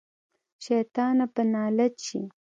شيطانه په نالت شې.